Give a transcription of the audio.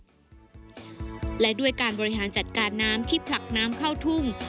และด้วยการบริหารจัดการน้ำที่ผลักน้ำเข้าทุ่ง